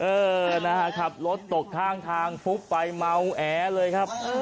เออนะฮะขับรถตกข้างทางฟุบไปเมาแอเลยครับ